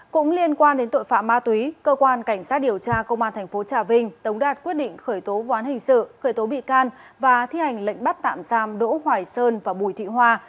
cũng liên quan đến tội phạm ma túy cơ quan cảnh sát điều tra công an tp trà vinh tống đạt quyết định khởi tố vụ án hình sự khởi tố bị can và thi hành lệnh bắt tạm giam đỗ hoài sơn và bùi thị hoa